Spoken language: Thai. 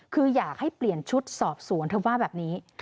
คืออยากให้เปลี่ยนชุดสอบสวนเธอว่าแบบนี้